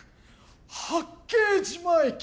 八景島駅